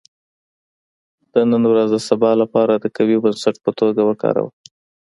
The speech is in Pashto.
• د نن ورځ د سبا لپاره د قوي بنسټ په توګه وکاروه.